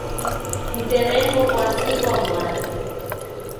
Mterengo ghwasighwa mwari